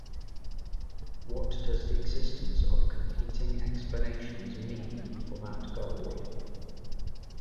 What does the existence of competing explanations mean for that goal?